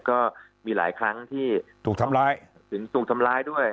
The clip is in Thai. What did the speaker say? ก็มีหลายครั้งที่ถูกทำร้ายถึงถูกทำร้ายด้วย